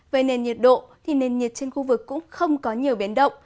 về nền nhiệt độ thì nền nhiệt trên khu vực cũng không có nhiều biến động